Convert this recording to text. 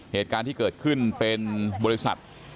เหตุการณ์ที่เกิดขึ้นเป็นบริษัท